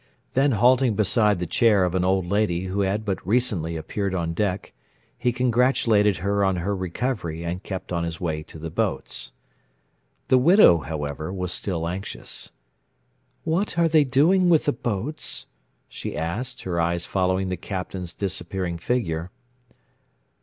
Then halting beside the chair of an old lady who had but recently appeared on deck, he congratulated her on her recovery and kept on his way to the boats. The widow, however, was still anxious. "What are they doing with the boats?" she asked, her eyes following the Captain's disappearing figure.